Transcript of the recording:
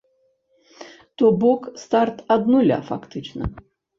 То бок старт ад нуля фактычна.